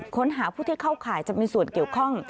ค้นหาผู้ที่เข้าข่ายจะมีส่วนเกี่ยวข้อง